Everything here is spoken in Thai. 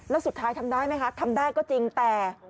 แล้วสุดท้ายทำได้ไหมคะทำได้ก็จริงแต่